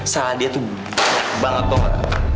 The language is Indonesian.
salah dia tuh banyak banget